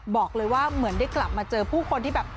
บอกเลยว่าเหมือนได้กลับมาเจอผู้คนที่แบบ